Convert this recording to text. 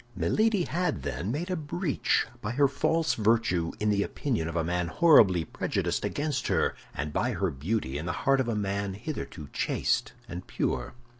Milady had, then, made a breach by her false virtue in the opinion of a man horribly prejudiced against her, and by her beauty in the heart of a man hitherto chaste and pure.